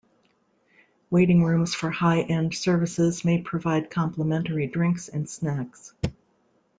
Waiting rooms for high-end services may provide complimentary drinks and snacks.